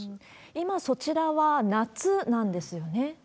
今、そちらは夏なんですよね？